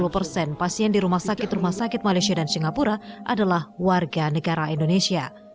lima puluh persen pasien di rumah sakit rumah sakit malaysia dan singapura adalah warga negara indonesia